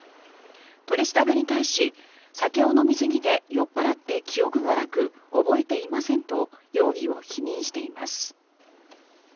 取り調べに対し、酒を飲みすぎて酔っ払って記憶がなく覚えていませんと容疑を否認しています。